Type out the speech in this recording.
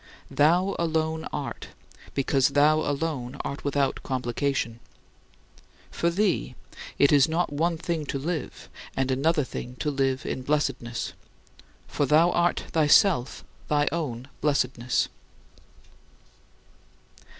Thou alone art, because thou alone art without complication. For thee it is not one thing to live and another thing to live in blessedness; for thou art thyself thy own blessedness.